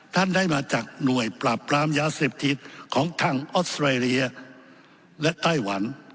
ท่านได้มาจากหน่วยปราบปรามยาเสพติดของทางออสเตรเลียและไต้หวัน